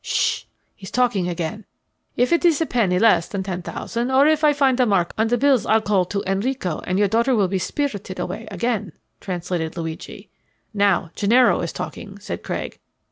'" "Sh! he's talking again." "If it is a penny less than ten thousand or I find a mark on the bills I'll call to Enrico, and your daughter will be spirited away again," translated Luigi. "Now, Gennaro is talking," said Craig.